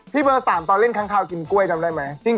เบอร์๓ตอนเล่นค้างคาวกินกล้วยจำได้ไหม